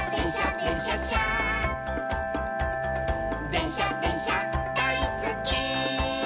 「でんしゃでんしゃだいすっき」